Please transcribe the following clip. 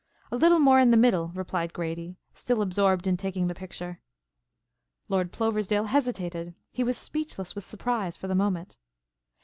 "A little more in the middle," replied Grady, still absorbed in taking the picture. Lord Ploversdale hesitated. He was speechless with surprise for the moment.